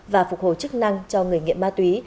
và phục hồi chức năng cho người nghiện ma túy